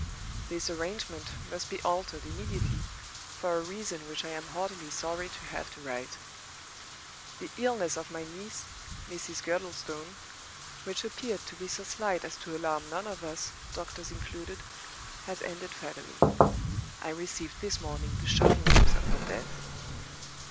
"This arrangement must be altered immediately, for a reason which I am heartily sorry to have to write. "The illness of my niece, Mrs. Girdlestone—which appeared to be so slight as to alarm none of us, doctors included—has ended fatally. I received this morning the shocking news of her death.